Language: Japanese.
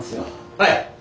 はい！